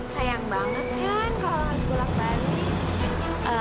sayang banget kan kalau harus bolak balik